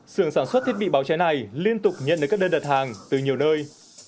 sưởng sản xuất thiết bị báo cháy này liên tục nhận được các đơn đặt hàng từ nhiều nơi